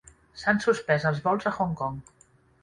S'han suspès els vols a Hong Kong.